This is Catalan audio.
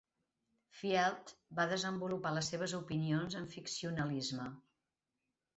Field va desenvolupar les seves opinions en ficcionalisme.